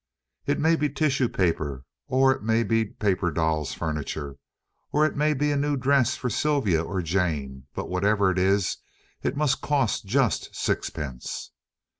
"It may be tissue paper, or it may be paper dolls' furniture, or it may be a new dress for Sylvia or Jane, but whatever it is, it must cost just sixpence."